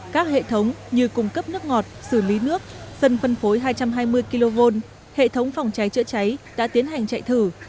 các hệ thống như cung cấp nước ngọt xử lý nước sân phân phối hai trăm hai mươi kv hệ thống phòng cháy chữa cháy đã tiến hành chạy thử